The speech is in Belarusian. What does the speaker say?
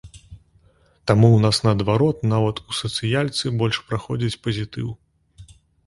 Таму ў нас наадварот нават у сацыялцы больш праходзіць пазітыў.